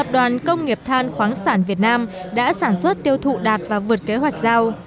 tập đoàn công nghiệp than khoáng sản việt nam đã sản xuất tiêu thụ đạt và vượt kế hoạch giao